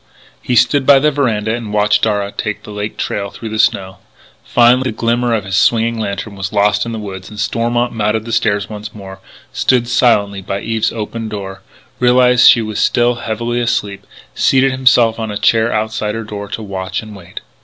He stood by the veranda and watched Darragh take the Lake Trail through the snow. Finally the glimmer of his swinging lantern was lost in the woods and Stormont mounted the stairs once more, stood silently by Eve's open door, realised she was still heavily asleep, and seated himself on a chair outside her door to watch and wait.